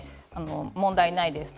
問題ないです。